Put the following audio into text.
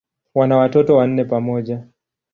Wana watoto wanne pamoja.